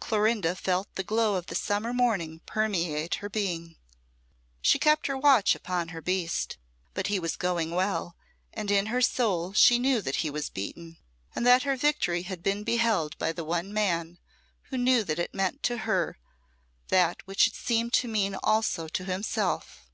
Clorinda felt the glow of the summer morning permeate her being. She kept her watch upon her beast; but he was going well, and in her soul she knew that he was beaten, and that her victory had been beheld by the one man who knew that it meant to her that which it seemed to mean also to himself.